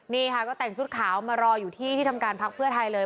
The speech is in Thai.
นี่ค่ะก็แต่งชุดขาวมารออยู่ที่ที่ทำการพักเพื่อไทยเลย